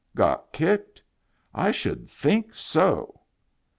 Got kicked ? I should think so